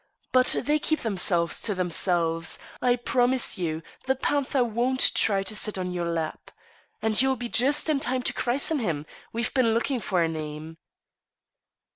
But they keep themselves to themselves. I promise you the panther won't try to sit on your lap. And you'll be just in time to christen him. We've been looking for a name."